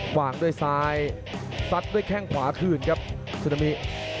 วางด้วยซ้ายซัดด้วยแข้งขวาคืนครับซึนามิ